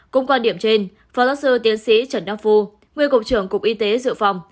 cũng quan điểm trên phó giáo sư tiến sĩ trần đắc phu nguyên cục trưởng cục y tế dự phòng